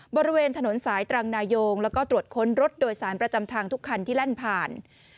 บริเวณถนนสายตรังนายงแล้วก็ตรวจค้นรถโดยสารประจำทางทุกคันที่แล่นผ่าน